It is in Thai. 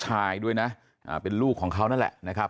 ช่วยด้วยค่ะพี่